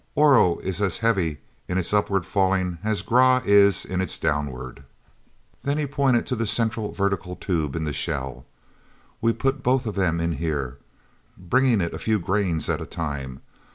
Oro is as heavy in its upward falling as Grah is in its downward. "Then"—he pointed to the central vertical tube in the shell—"we put both of them in here, bringing it a few grains at a time.